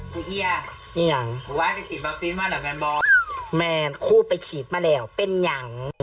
คุยเยี่ยมคุยว่าไปฉีดบักซิ้นมาเหรอแมนบอร์กแมนคู่ไปฉีดมาแล้วเป็นอย่าง